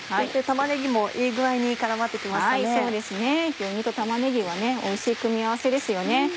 牛肉と玉ねぎはおいしい組み合わせですよね。